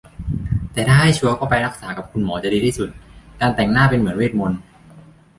แต่ถ้าให้ชัวร์ก็ไปรักษากับคุณหมอจะดีที่สุด การแต่งหน้าเป็นเหมือนเวทมนตร์